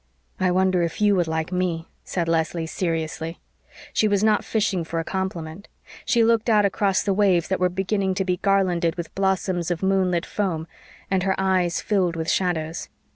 "I wonder if YOU would like ME," said Leslie seriously. She was not fishing for a compliment. She looked out across the waves that were beginning to be garlanded with blossoms of moonlit foam, and her eyes filled with shadows.